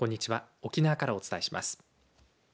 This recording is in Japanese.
沖縄からお伝えします。